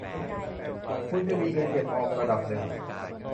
คุณจะมีเงินเก็บเงินออมระดับหนึ่ง